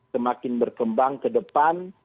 semakin berkembang ke depan